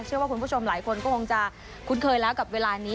เชื่อว่าคุณผู้ชมหลายคนก็คงจะคุ้นเคยแล้วกับเวลานี้